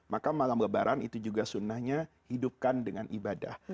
maka malam lebaran itu juga sunnahnya hidupkan dengan ibadah